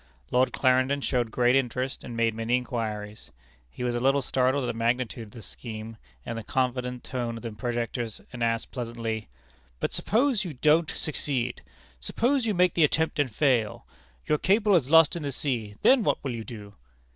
Lord Clarendon showed great interest, and made many inquiries. He was a little startled at the magnitude of the scheme, and the confident tone of the projectors, and asked pleasantly: "But, suppose you don't succeed? Suppose you make the attempt and fail your cable is lost in the sea then what will you do?"